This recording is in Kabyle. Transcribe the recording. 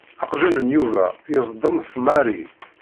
Aqjun n Yuba yeẓḍem f Mary.